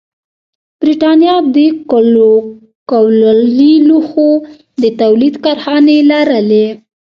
برېټانیا د کولالي لوښو د تولید کارخانې لرلې.